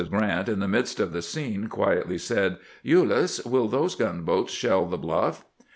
Grrant, in the midst of the scene, quietly said, "Ulyss, will those gunboats shell the bluff?"